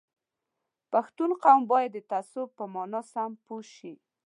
پښتون قوم باید د تعصب په مانا سم پوه شي